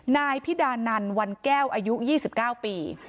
นายพิดานันวันแก้วอายุ๒๙ปี